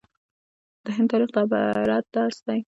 د هند تاریخ د عبرت درس دی.